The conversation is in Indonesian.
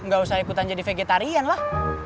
gak usah ikutan jadi vegetarian lah